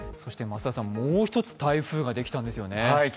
そしてもう１つ台風ができたんですよね。